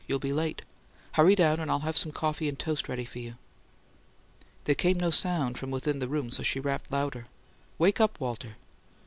You'll be late. Hurry down and I'll have some coffee and toast ready for you." There came no sound from within the room, so she rapped louder. "Wake up, Walter!"